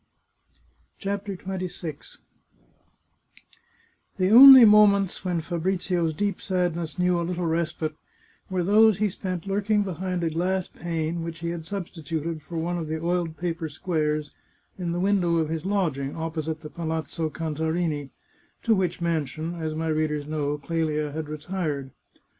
CHAPTER XXVI The only moments when Fabrizio's deep sadness knew a little respite were those he spent lurking behind a glass pane which he had substituted for one of the oiled paper squares in the window of his lodging, opposite the Palazzo Cantarini, to which mansion, as my readers know, Clelia had retired.